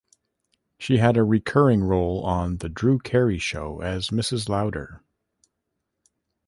She had a recurring role on "The Drew Carey Show" as Mrs. Lauder.